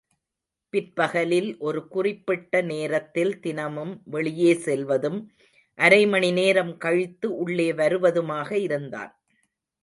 பிற்பகலில் ஒரு குறிப்பிட்ட நேரத்தில் தினமும் வெளியே செல்வதும், அரைமணி நேரம் கழித்து உள்ளே வருவதுமாக இருந்தான்.